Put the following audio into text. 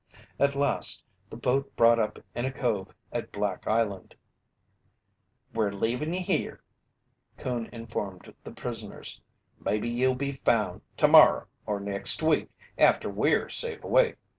At last, the boat brought up in a cove at Black Island. "We're leavin' ye here," Coon informed the prisoners. "Maybe ye'll be found tomorrer or next week after we're safe away.